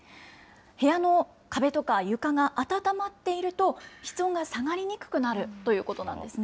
部屋の壁とか床が暖まっていると、室温が下がりにくくなるということなんですね。